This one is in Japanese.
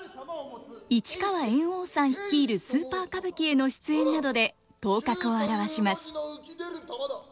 市川猿翁さん率いるスーパー歌舞伎への出演などで頭角を現します。